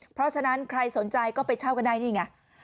เพราะฉะนั้นใครสนใจก็ไปเช่ากันได้นี่ไง